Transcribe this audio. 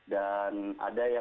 dan ada yang